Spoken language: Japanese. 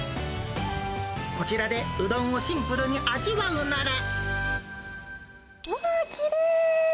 こちらでうどんをシンプルに味わわー、きれい。